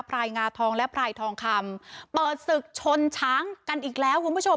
รายงาทองและพรายทองคำเปิดศึกชนช้างกันอีกแล้วคุณผู้ชม